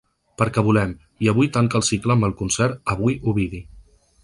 Perquè volem!’ i avui tanca el cicle amb el concert ‘Avui Ovidi’.